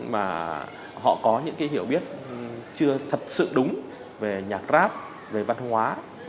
mà họ có những cái hiểu biết chưa thật sự đúng về nhạc grab về văn hóa